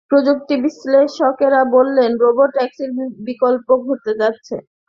প্রযুক্তি বিশ্লেষকেরা বলছেন, রোবো ট্যাক্সির বিপ্লব ঘটতে যাচ্ছে।